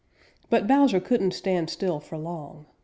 But Bowser couldn't stand still for long.